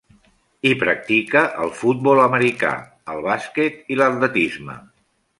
Hi practica el futbol americà, el bàsquet i l'atletisme.